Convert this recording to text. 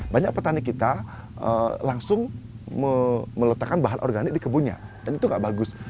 banyak petani kita langsung meletakkan bahan organik di kebunnya dan itu tidak bagus